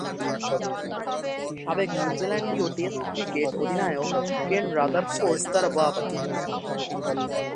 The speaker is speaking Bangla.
সাবেক নিউজিল্যান্ডীয় টেস্ট ক্রিকেট অধিনায়ক কেন রাদারফোর্ড তার বাবা।